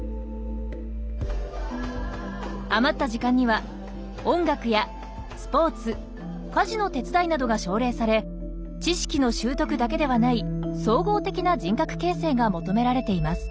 余った時間には音楽やスポーツ家事の手伝いなどが奨励され知識の習得だけではない総合的な人格形成が求められています。